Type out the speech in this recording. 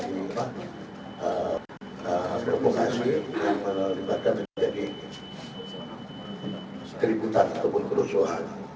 ini yang membuat menjadi provokasi yang melibatkan menjadi keributan ataupun kerusuhan